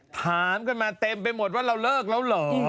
ถามกันมาเต็มไปหมดว่าเราเลิกแล้วเหรอ